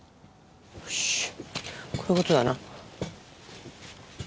よしこういうことだな。